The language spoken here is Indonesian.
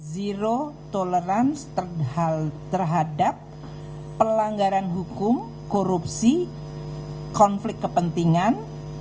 zero tolerance terhadap pelanggaran hukum korupsi konflik kepentingan